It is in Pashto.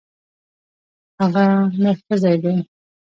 هغه نرښځی دی.